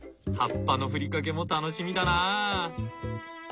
葉っぱのふりかけも楽しみだな。